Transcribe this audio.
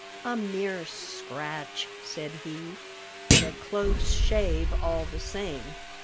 "A mere scratch," said he; "but a close shave all the same.